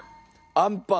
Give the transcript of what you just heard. あんパン。